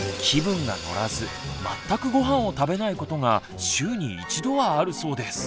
気分が乗らず全くごはんを食べないことが週に１度はあるそうです。